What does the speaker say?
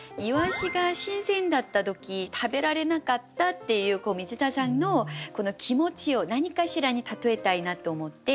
鰯が新鮮だった時食べられなかったっていう水田さんのこの気持ちを何かしらに例えたいなと思って。